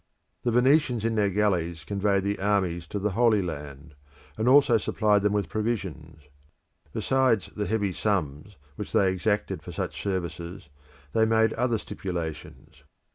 The Venetians in their galleys conveyed the armies to the Holy Land, and also supplied them with provisions. Besides the heavy sums which they exacted for such services, they made other stipulations.